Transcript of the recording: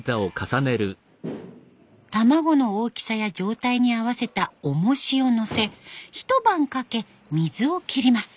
卵の大きさや状態に合わせたおもしをのせ一晩かけ水を切ります。